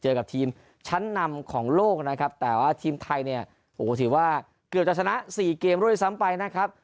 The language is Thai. กับทีมชั้นนำของโลกนะครับแต่ว่าทีมไทยเนี่ยโอ้โหถือว่าเกือบจะชนะสี่เกมด้วยซ้ำไปนะครับ